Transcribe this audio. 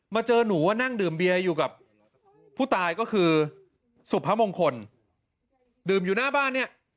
เจอหนูว่านั่งดื่มเบียอยู่กับผู้ตายก็คือสุพมงคลดื่มอยู่หน้าบ้านเนี่ย